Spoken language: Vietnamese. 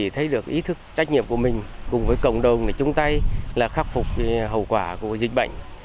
thấy được ý thức trách nhiệm của mình cùng với cộng đồng chung tay là khắc phục hậu quả của dịch bệnh